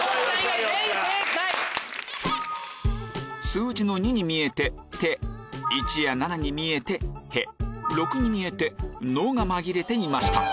数字の「２」に見えて「て」「１」や「７」に見えて「へ」「６」に見えて「の」が紛れていました